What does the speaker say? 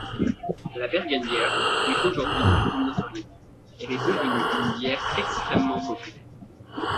La Bergenbier jouit aujourd'hui d'une grande notoriété, elle est devenue une bière extrêmement populaire.